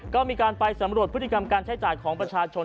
ก็มีการไปสำรวจพฤติกรรมการใช้จ่ายของประชาชน